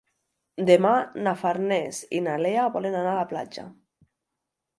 Demà na Farners i na Lea volen anar a la platja.